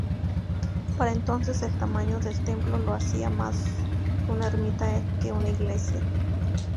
Para entonces el tamaño del templo lo hacía más una ermita que una iglesia.